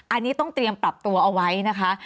อันนี้ต้องเตรียมปรับตัวเอาไว้นะคะ